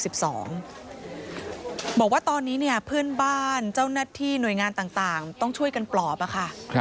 บอกว่าตอนนี้เนี่ยเพื่อนบ้านเจ้าหน้าที่หน่วยงานต่างต้องช่วยกันปลอบอะค่ะ